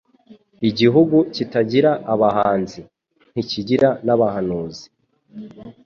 Igihugu kitagira Abahanzi ,ntikigira n’Abahanuzi